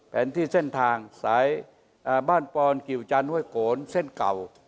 แผนที่เส้นทางสายบ้านปอนกิวจันท้วยโกนเส้นเก่า